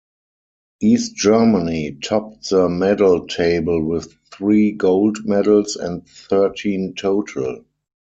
East Germany topped the medal table with three gold medals, and thirteen total.